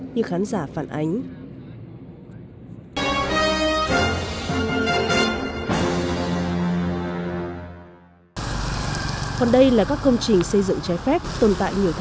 như khán giả phản ánh